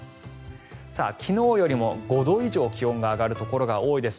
昨日よりも５度以上気温が上がるところが多いです。